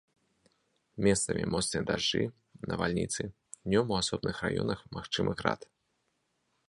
Месцамі моцныя дажджы, навальніцы, днём у асобных раёнах магчымы град.